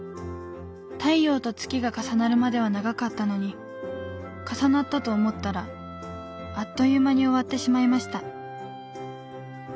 太陽と月が重なるまでは長かったのに重なったと思ったらあっという間に終わってしまいました」。